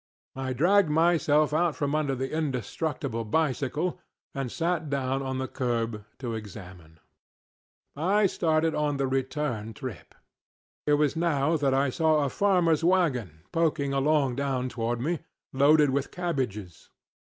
I dragged myself out from under the indestructible bicycle and sat down on the curb to examine. I started on the return trip. It was now that I saw a farmerŌĆÖs wagon poking along down toward me, loaded with cabbages.